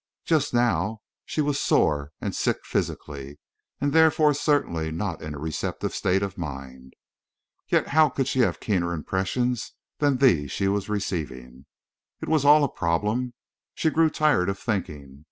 Just now she was sore and sick physically, and therefore certainly not in a receptive state of mind. Yet how could she have keener impressions than these she was receiving? It was all a problem. She grew tired of thinking.